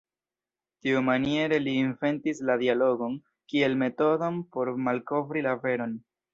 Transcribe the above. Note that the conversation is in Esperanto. Tiumaniere li inventis la dialogon kiel metodon por malkovri la veron.